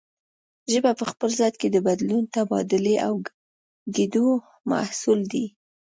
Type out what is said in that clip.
ژبه په خپل ذات کې د بدلون، تبادلې او ګډېدو محصول دی